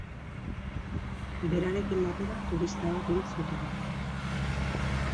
Berarekin batera turista bat hil zuten.